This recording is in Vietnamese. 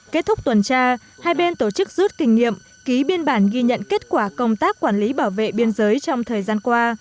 kết thúc tuần tra hai bên tổ chức rút kinh nghiệm ký biên bản ghi nhận kết quả công tác quản lý bảo vệ biên giới trong thời gian qua